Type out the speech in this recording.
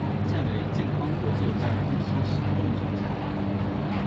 现为健康国际有限公司行政总裁。